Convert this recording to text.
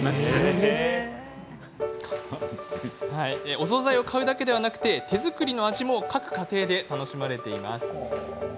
お総菜を買うだけではなく手作りの味も各家庭で楽しまれています。